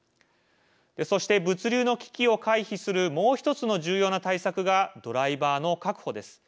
そして物流の危機を回避するもう一つの重要な対策がドライバーの確保です。